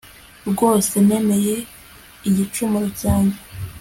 rwose, nemeye igicumuro cyanjye